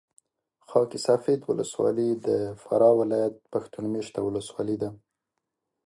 خاک سفید ولسوالي د فراه پښتون مېشته ولسوالي ده